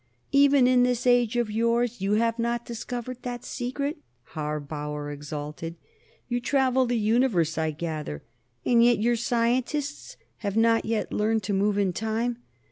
"Even in this age of yours they have not discovered that secret?" Harbauer exulted. "You travel the Universe, I gather, and yet your scientists have not yet learned to move in time?